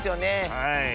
はい。